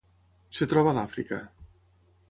Es troba a l'Àfrica.